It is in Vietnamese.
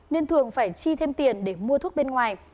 nên thường phải chi thêm tiền để mua thuốc bên ngoài